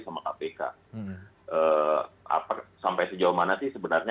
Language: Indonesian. sama kpk sampai sejauh mana sih sebenarnya